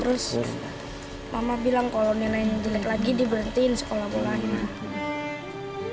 terus mama bilang kalau nilainya jelek lagi diberhentiin sekolah bolanya